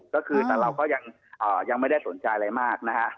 ก็คือแต่เราก็ยังไม่ได้สนใจอะไรมากนะฮะ